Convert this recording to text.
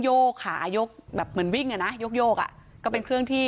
โยกขายกแบบเหมือนวิ่งอ่ะนะโยกโยกอ่ะก็เป็นเครื่องที่